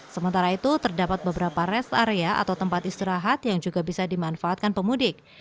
sementara itu terdapat beberapa rest area atau tempat istirahat yang juga bisa dimanfaatkan pemudik